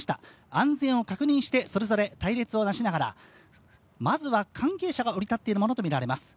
安全を確認して、それぞれ隊列をなしながらまずは関係者が降り立っているものとみられます。